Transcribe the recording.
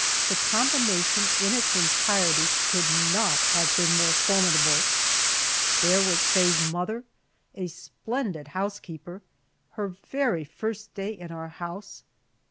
The combination in its entirety could not have been more formidable. There was Faye's mother, a splendid housekeeper her very first day in our house.